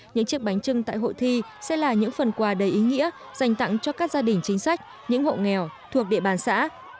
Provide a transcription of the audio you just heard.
những chiếc bánh trưng tại hội thi sẽ là những phần quà đầy ý nghĩa dành tặng cho các gia đình chính sách những hộ nghèo thuộc địa bàn xã